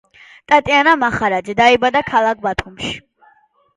ტატიანა მახარაძე დაიბადა ქალაქ ბათუმში.